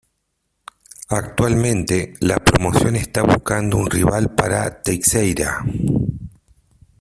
Actualmente, la promoción está buscando un rival para Teixeira.